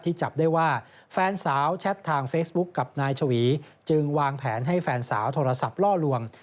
จับได้ว่าแฟนสาวแชททางเฟซบุ๊คกับนายชวีจึงวางแผนให้แฟนสาวโทรศัพท์ล่อลวง